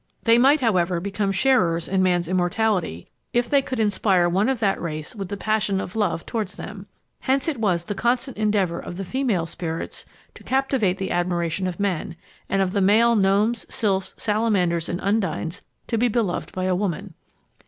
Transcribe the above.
They might, however, become sharers in man's immortality if they could inspire one of that race with the passion of love towards them. Hence it was the constant endeavour of the female spirits to captivate the admiration of men, and of the male gnomes, sylphs, salamanders, and undines to be beloved by a woman.